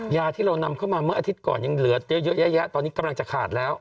ยาที่เรานำเข้ามาเมื่ออาทิตย์ก่อนยังเหลือเยอะแยะตอนนี้กำลังจะขาดแล้ว